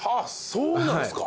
そうなんですか。